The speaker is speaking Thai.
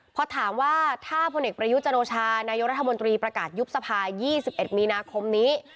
พอถามว่าถ้าพลเอกประยุจันโอชานายกรัฐมนตรีประกาศยุบสภา๒๑มีนาคมนี้